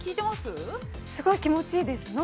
◆すごい気持ちいいです。